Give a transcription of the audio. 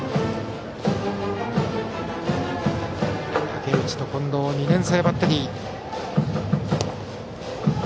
武内と近藤、２年生バッテリー。